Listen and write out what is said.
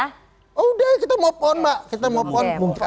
oh udah kita move on mbak